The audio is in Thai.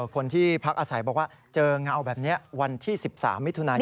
คนที่พักอาศัยบอกว่าเจอเงาแบบนี้วันที่๑๓มิถุนายน